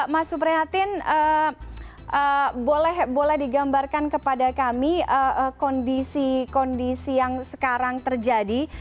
mas suprihatin boleh digambarkan kepada kami kondisi kondisi yang sekarang terjadi